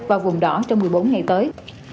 và vùng đỏ trong một mươi bốn ngày tới